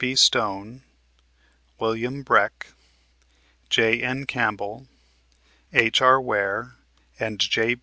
B. Stone, William Breck, J.N. Campbell, H.R. Ware and J.